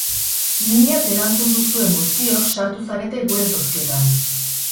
Minez erantzun duzuen guztiok sartu zarete gure zozketan.